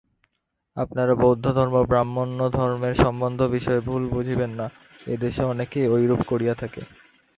আপনারা বৌদ্ধধর্ম ও ব্রাহ্মণ্যধর্মের সম্বন্ধ-বিষয়ে ভুল বুঝিবেন না, এদেশে অনেকেই ঐরূপ করিয়া থাকে।